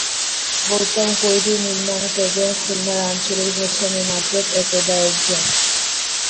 গৌতম কৈরি নির্মাণ করবেন খুলনার আঞ্চলিক ভাষা নিয়ে নাটক একদা একজন।